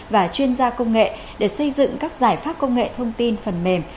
và chuyên gia công nghệ để xây dựng các giải pháp công nghệ thông tin phần mềm